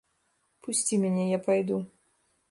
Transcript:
Пусці мяне, я пайду.